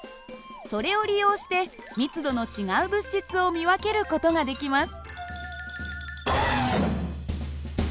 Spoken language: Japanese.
それを利用して密度の違う物質を見分ける事ができます。